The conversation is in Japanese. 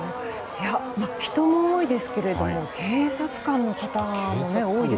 人も多いですけど警察官の方も多いですね。